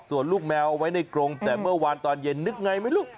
ส่วนลูกแมวเอาไว้ในกรงแต่เมื่อวานตอนเย็นนึกไงไหมลูก